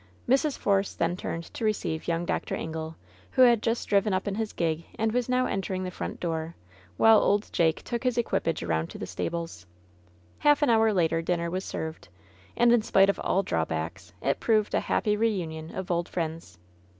Mrs. Force then turned to receive young Dr. Ingle, who had just driven up in his gig and was now entering the front door, while old Jake took his equipage around to the stables. Half an hour later dinner was served. And, in spite of all drawbacks, it proved a happy reunion of old friends.